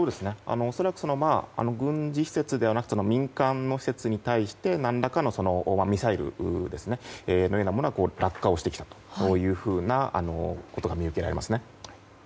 恐らく軍事施設ではなく民間の施設に対して何らかのミサイルのようなものが落下をしてきたということが見受けられますね。